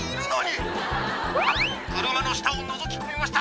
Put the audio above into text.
・・あっ車の下をのぞき込みました・・